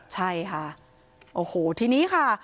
ใช่ค่ะโอ้โหทีนี้ค่ะ